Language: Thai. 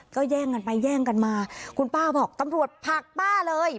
ก็แย่งกันไปแย่งกันมาคุณป้าบอกตำรวจผลักป้าเลย